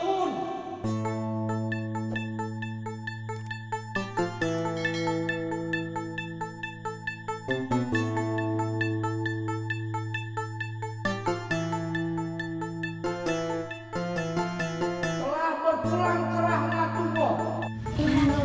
udah bang capek